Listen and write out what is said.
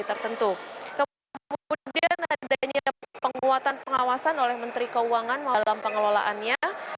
kemudian ada penguatan pengawasan oleh menteri keuangan dalam pengelolaannya